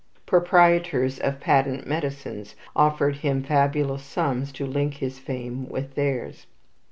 Proprietors of patent medicines offered him fabulous sums to link his fame with theirs.